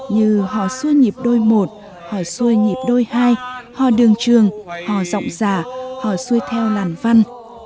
như hò xuôi nhịp đôi một hò xuôi nhịp đôi hai hò đường trường hò giọng giả hò xuôi theo làn văn